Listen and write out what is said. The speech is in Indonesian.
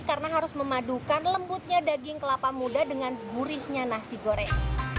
karena harus memadukan lembutnya daging kelapa muda dengan burihnya nasi goreng